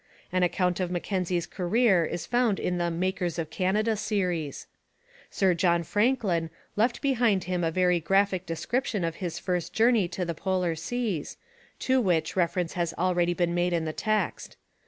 An account of Mackenzie's career is found in the 'Makers of Canada' series. Sir John Franklin left behind him a very graphic description of his first journey to the polar seas, to which reference has already been made in the text.